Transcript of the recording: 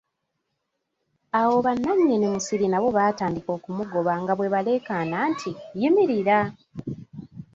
Awo bananyini musiri nabo baatandika okumugoba, nga bwe baleekaana nti, yimirira!